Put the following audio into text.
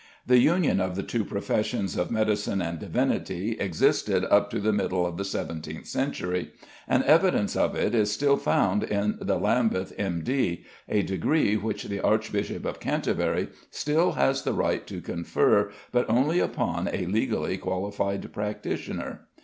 The union of the two professions of medicine and divinity existed up to the middle of the seventeenth century, and evidence of it is still found in the "Lambeth M.D.," a degree which the Archbishop of Canterbury still has the right to confer, but only upon a legally qualified practitioner.